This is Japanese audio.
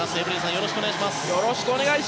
よろしくお願いします。